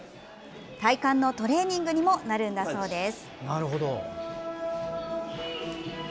体幹のトレーニングにもなるのだそうです。